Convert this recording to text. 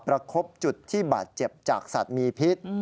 คบจุดที่บาดเจ็บจากสัตว์มีพิษ